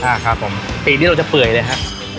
ค่ะครับผมปีกนี่เราจะเปื่อยเลยฮะ